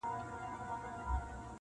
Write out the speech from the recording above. • د خان ورور هغه تعویذ وو پرانیستلی -